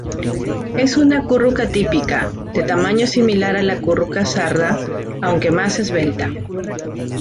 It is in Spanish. Es una curruca típica, de tamaño similar a la curruca sarda aunque más esbelta.